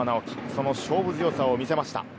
その勝負強さを見せました。